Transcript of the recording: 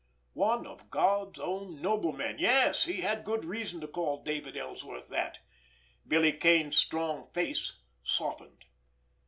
One of God's own noblemen! Yes, he had good reason to call David Ellsworth that! Billy Kane's strong face softened.